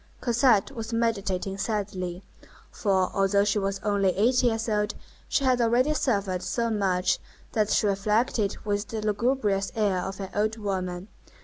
Cosette was meditating sadly; for, although she was only eight years old, she had already suffered so much that she reflected with the lugubrious air of an old woman.